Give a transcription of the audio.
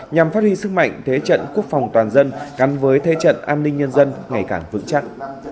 nhằm phát huy sức mạnh thế trận quốc phòng toàn dân gắn với thế trận an ninh nhân dân ngày càng vững chắc